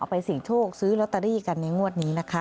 ไปเสี่ยงโชคซื้อลอตเตอรี่กันในงวดนี้นะคะ